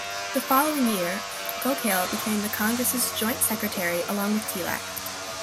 The following year, Gokhale became the Congress's joint secretary along with Tilak.